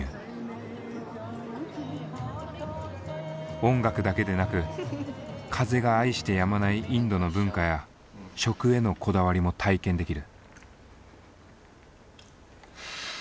音楽だけでなく風が愛してやまないインドの文化や食へのこだわりも体験できる。